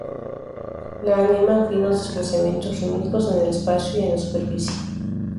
La animan finos desplazamientos rítmicos en el espacio y en la superficie.